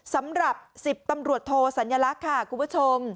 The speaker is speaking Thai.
สำหรับ๑๐ตำรวจโทสัญลักษณ์ค่ะคุณผู้ชม